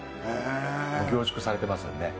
もう凝縮されてますよね